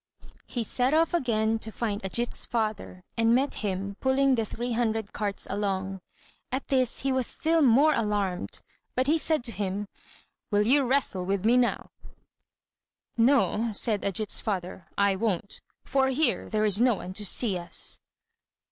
He set off again to find Ajít's father, and met him pulling the three hundred carts along. At this he was still more alarmed, but he said to him, "Will you wrestle with me now?" "No," said Ajít's father, "I won't; for here there is no one to see us."